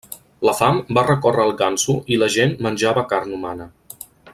La fam va recórrer el Gansu i la gent menjava carn humana.